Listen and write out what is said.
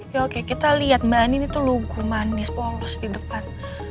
ya oke kita lihat mbak andin itu lugu manis polos di depan